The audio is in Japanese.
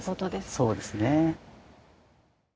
そうですね。